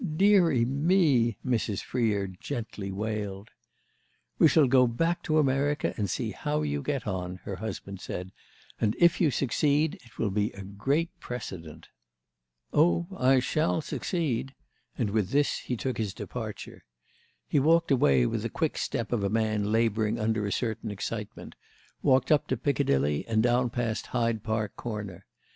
"Deary me!" Mrs. Freer gently wailed. "We shall go back to America to see how you get on," her husband said; "and if you succeed it will be a great precedent." "Oh I shall succeed!" And with this he took his departure. He walked away with the quick step of a man labouring under a certain excitement; walked up to Piccadilly and down past Hyde Park Corner.